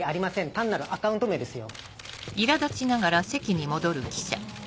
単なるアカウント名ですよ。